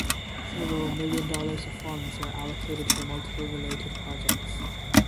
Several million dollars of funds were allocated for multiple related projects.